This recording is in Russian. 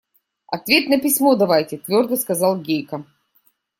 – Ответ на письмо давайте, – твердо сказал Гейка.